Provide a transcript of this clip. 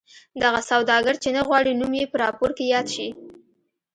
دغه سوداګر چې نه غواړي نوم یې په راپور کې یاد شي.